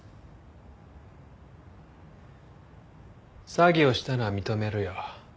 詐欺をしたのは認めるよ。